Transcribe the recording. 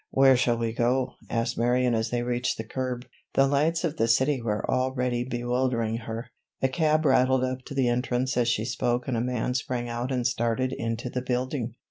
"Where shall we go?" asked Marion as they reached the curb. The lights of the big city were already bewildering her. A cab rattled up to the entrance as she spoke and a man sprang out and started into the building.